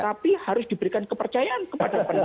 tapi harus diberikan kepercayaan kepada peneliti